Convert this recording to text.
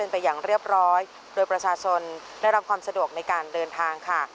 ไปอย่างเรียบร้อยโดยประชาชนได้รับความสะดวกในการเดินทางค่ะ